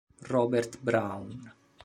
Robert Brown